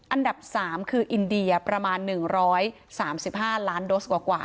อันดับ๓คืออินเดียประมาณ๑๓๕ล้านโดสกว่า